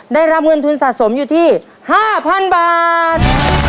ได้รับเงินทุนสะสมอยู่ที่๕๐๐๐บาท